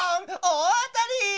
おおあたり！